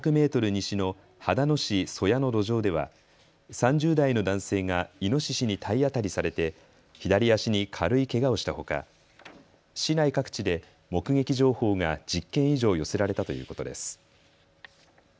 西の秦野市曽屋の路上では３０代の男性がイノシシに体当たりされて左足に軽いけがをしたほか市内各地で目撃情報が１０件以上寄せられたということです。